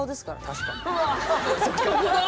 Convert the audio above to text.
確かに。